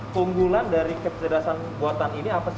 keunggulan dari kecerdasan buatan ini apa sih